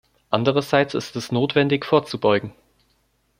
Andererseits ist es notwendig vorzubeugen.